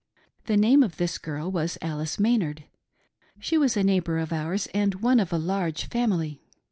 The name of this girl was Alice Maynard ; she was a neigh> bor of ours, and one of a large family.